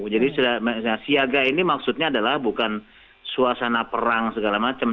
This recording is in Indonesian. jadi siaga ini maksudnya adalah bukan suasana perang segala macam